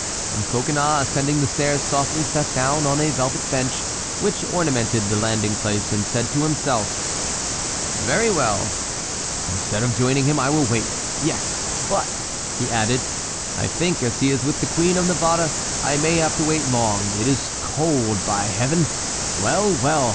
And Coconnas ascending the stairs softly sat down on a velvet bench which ornamented the landing place, and said to himself: "Very well, instead of joining him I will wait—yes; but," he added, "I think as he is with the Queen of Navarre I may have to wait long—it is cold, by Heaven! Well! well!